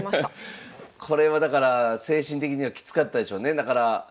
これはだから精神的にはきつかったでしょうね。